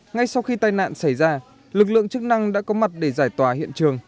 ngay sau khi tai nạn xảy ra lực lượng chức năng đã có mặt để giải tỏa hiện trường